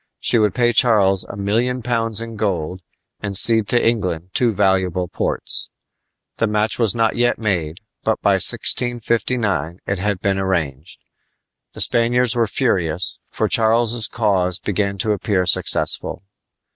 She would pay Charles a million pounds in gold and cede to England two valuable ports. The match was not yet made, but by 1659 it had been arranged. The Spaniards were furious, for Charles's cause began to appear successful.